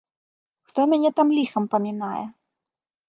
Хто мяне там ліхам памінае?